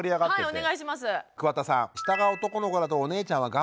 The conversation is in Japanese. はいお願いします。